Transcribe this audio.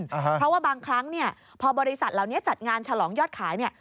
หิวเงินเพราะว่าบางครั้งพอบริษัทเหล่านี้จัดงานฉลองยอดขาย